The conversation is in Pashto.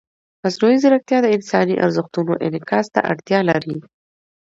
مصنوعي ځیرکتیا د انساني ارزښتونو انعکاس ته اړتیا لري.